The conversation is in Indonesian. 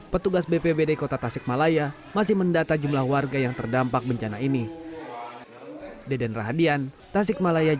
petugas bpbd kota tasikmalaya masih mendata jumlah warga yang terdampak bencana ini